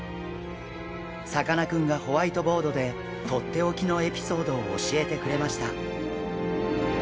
さかなクンがホワイトボードでとっておきのエピソードを教えてくれました。